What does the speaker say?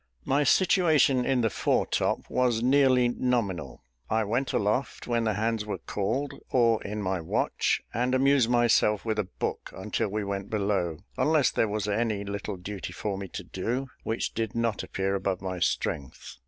My situation in the fore top was nearly nominal. I went aloft when the hands were called, or in my watch, and amused myself with a book until we went below, unless there was any little duty for me to do, which did not appear above my strength.